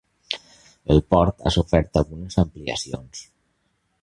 El port ha sofert algunes ampliacions.